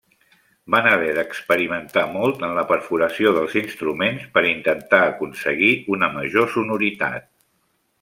Van haver d’experimentar molt en la perforació dels instruments per intentar aconseguir una major sonoritat.